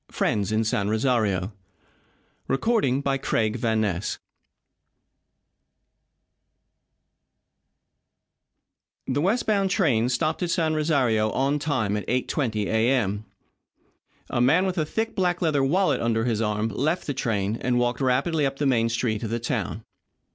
XII FRIENDS IN SAN ROSARIO The west bound train stopped at San Rosario on time at 8.20 A.M. A man with a thick black leather wallet under his arm left the train and walked rapidly up the main street of the town.